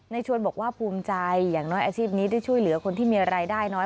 ชวนบอกว่าภูมิใจอย่างน้อยอาชีพนี้ได้ช่วยเหลือคนที่มีรายได้น้อย